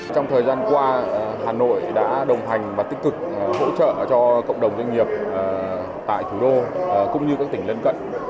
trong thời gian qua hà nội đã đồng hành và tích cực hỗ trợ cho cộng đồng doanh nghiệp tại thủ đô cũng như các tỉnh lân cận